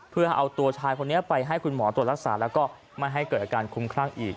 เพื่อเอาตัวชายคนนี้ไปให้คุณหมอตรวจรักษาแล้วก็ไม่ให้เกิดอาการคุ้มครั่งอีก